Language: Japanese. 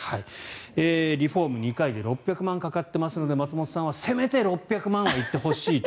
リフォーム２回で６００万かかってますので松本さんはせめて６００万はいってほしいと。